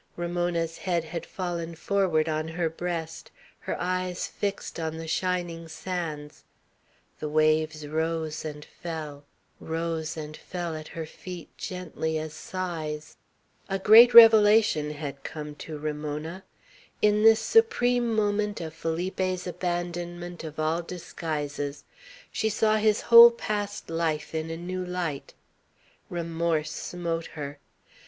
Ramona's head had fallen forward on her breast, her eyes fixed on the shining sands; the waves rose and fell, rose and fell, at her feet gently as sighs. A great revelation had come to Ramona. In this supreme moment of Felipe's abandonment of all disguises, she saw his whole past life in a new light. Remorse smote her.